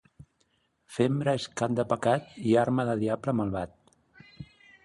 Fembra és cap de pecat i arma del diable malvat.